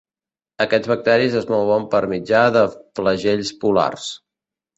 Aquests bacteris es mouen per mitjà de flagels polars.